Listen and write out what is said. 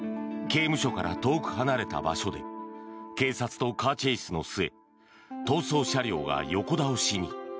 刑務所から遠く離れた場所で警察とカーチェイスの末逃走車両が横倒しに。